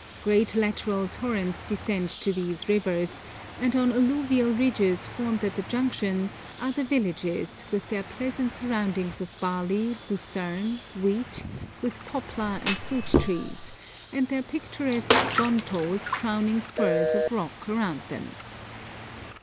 Great lateral torrents descend to these rivers, and on alluvial ridges formed at the junctions are the villages with their pleasant surroundings of barley, lucerne, wheat, with poplar and fruit trees, and their picturesque gonpos crowning spurs of rock above them.